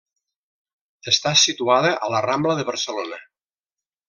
Està situada a la Rambla de Barcelona.